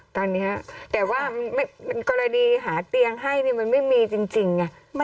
ตอนนี้แต่ว่ากรณีหาเตียงให้มันไม่มีจริงไง